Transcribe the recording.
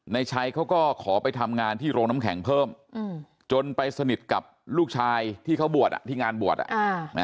ในชัยเขาก็ขอไปทำงานที่โรงน้ำแข็งเพิ่มจนไปสนิทกับลูกชายที่เขาบวชที่งานบวช